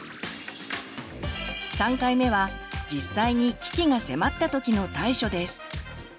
３回目は実際に危機が迫ったときの対処です。